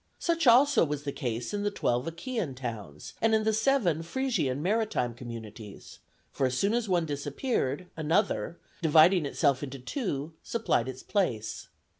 Such also was the case in the twelve Achæan towns and in the seven Frisian maritime communities; for as soon as one disappeared, another, dividing itself into two, supplied its place.